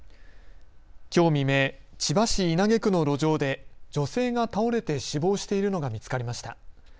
きょう未明、千葉市稲毛区の路上で女性が倒れて死亡しているのが見つかりました。